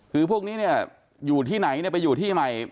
คือพวกนี้เนี่ยอยู่ที่ไหนเนี่ยไปอยู่ที่ใหม่